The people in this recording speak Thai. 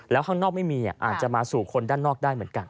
แล้วข้างนอกไม่มีอาจจะมาสู่คนด้านนอกได้เหมือนกัน